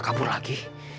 dia kabur lagi